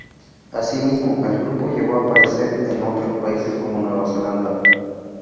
Asimismo, el grupo llegó a aparecer en otros países como Nueva Zelanda.